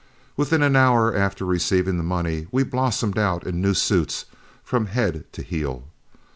Within an hour after receiving the money, we blossomed out in new suits from head to heel.